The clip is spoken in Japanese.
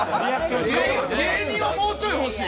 芸人はもうちょい欲しい。